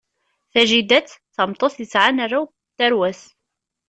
Tajidat d tameṭṭut yesɛan arraw n tarwa-s.